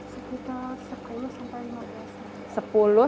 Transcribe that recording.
sekitar sepuluh sampai lima belas